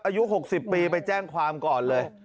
อายุ๖๐ปีไปแจ้งความก่อนเลย